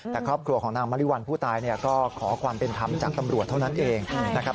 แต่ครอบครัวของนางมริวัลผู้ตายเนี่ยก็ขอความเป็นธรรมจากตำรวจเท่านั้นเองนะครับ